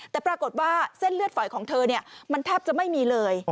แต่ปรากฏว่าเส้นเลือดฝอยของเธอมันแทบจะไม่มีเลย